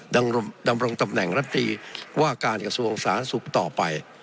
ดำรงตำแหน่งรัฐตรีว่าการกระทรวงสาธารณสุขต่อไป